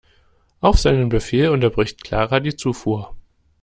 Auf seinen Befehl unterbricht Clara die Zufuhr.